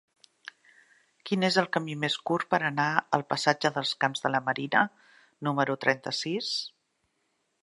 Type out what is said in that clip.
Quin és el camí més curt per anar al passatge dels Camps de la Marina número trenta-sis?